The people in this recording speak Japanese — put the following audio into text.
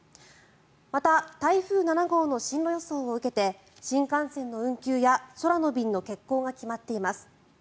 また、台風７号の進路予想を受けて新幹線の運休や空の便の欠航が決まっています。